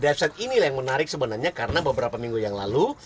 depsite inilah yang menarik sebenarnya karena beberapa minggu yang lalu